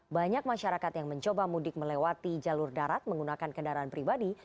banyak masyarakat yang mencoba mudik melewati jalur darat menggunakan kendaraan pribadi